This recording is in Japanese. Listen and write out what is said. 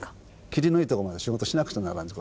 切りのいいとこまで仕事しなくちゃならんと。